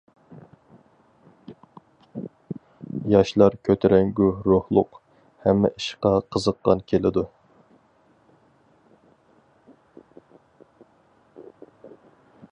ياشلار كۆتۈرەڭگۈ روھلۇق، ھەممە ئىشقا قىزىققاق كېلىدۇ.